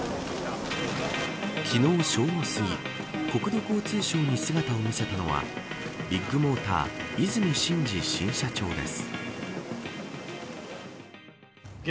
昨日、正午すぎ国土交通省に姿を見せたのはビッグモーター和泉伸二新社長です。